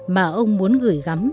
mà ông muốn gửi gắm